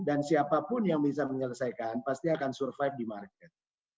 dan siapapun yang bisa menyelesaikan pasti akan survive di market